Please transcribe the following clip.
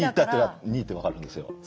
２って分かるんですよ。